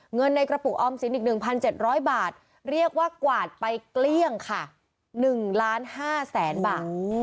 เงินในกระปุกออมสินอีก๑๗๐๐บาทเรียกว่ากวาดไปเกลี้ยงค่ะ๑ล้าน๕แสนบาท